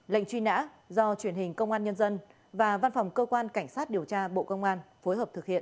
lệnh truy nã do truyền hình công an nhân dân và văn phòng cơ quan cảnh sát điều tra bộ công an phối hợp thực hiện